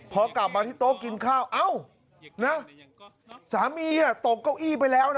พอกลับมาที่โต๊ะกินข้าวเอ้านะสามีตกเก้าอี้ไปแล้วนะ